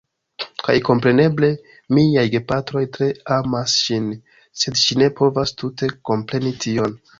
Kaj kompreneble, miaj gepatroj tre amas ŝin, sed ŝi ne povas tute kompreni tion